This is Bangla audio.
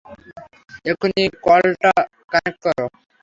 এক্ষুণি কলটা কানেক্ট করো!